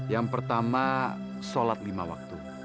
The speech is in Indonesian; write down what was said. yang pertama sholat lima waktu